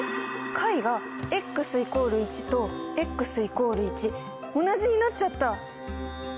解が＝１と同じになっちゃった！